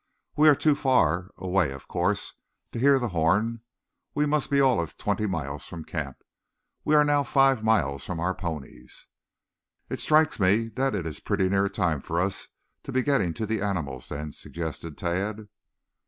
We are too far away, of course, to hear the horn. We must be all of twenty miles from camp. We are now five miles from our ponies." "It strikes me that it is pretty near time for us to be getting to the animals, then," suggested Tad.